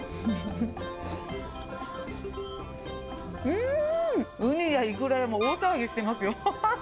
うーん、ウニやイクラがもう大騒ぎしてますよ。